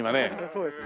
そうですね。